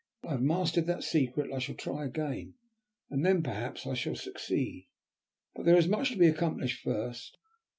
When I have mastered that secret I shall try again, and then, perhaps, I shall succeed. But there is much to be accomplished first.